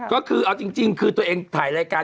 ก็คือเอาจริงคือตัวเองถ่ายรายการ